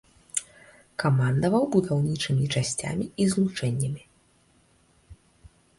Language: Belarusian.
Камандаваў будаўнічымі часцямі і злучэннямі.